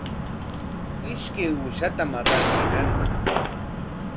Ishkay uushatam rantinanchik.